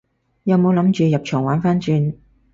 有冇諗住入場玩番轉？